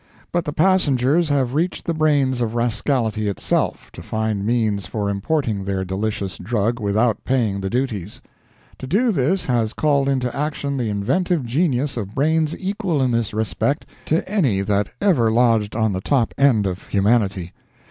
But the passengers have reached the brains of rascality itself, to find means for importing their delicious drug without paying the duties. To do this has called into action the inventive genius of brains equal in this respect to any that ever lodged on the top end of humanity.